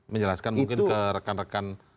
menjelaskan mungkin ke rekan rekan